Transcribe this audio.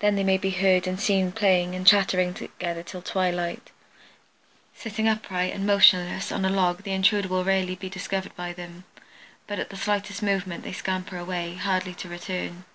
Then they may be heard and seen playing and chattering together till twilight. Sitting upright and motionless on a log the intruder will rarely be discovered by them, but at the slightest movement they scamper away, hardly to return.